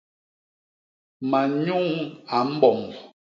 Manyuñ a mbomb.